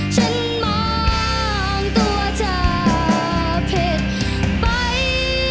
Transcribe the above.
ฉันมองตัวเธอผิดไป